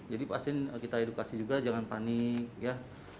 pasien kita edukasi juga jangan panik ya